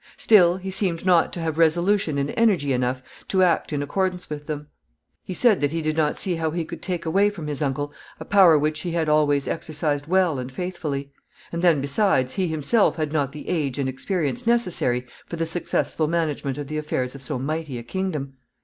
Still he seemed not to have resolution and energy enough to act in accordance with them. He said that he did not see how he could take away from his uncle a power which he had always exercised well and faithfully. And then, besides, he himself had not the age and experience necessary for the successful management of the affairs of so mighty a kingdom.